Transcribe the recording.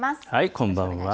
こんばんは。